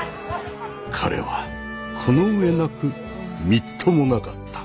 彼はこの上なくみっともなかった。